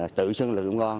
tự sưng lựa dụng con